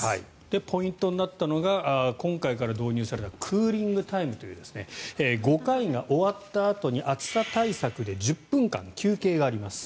ポイントになったのが今回から導入されたクーリングタイムという５階が終わったあとに暑さ対策で１０分間、休憩があります。